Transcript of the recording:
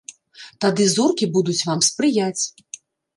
Тады зоркі будуць вам спрыяць.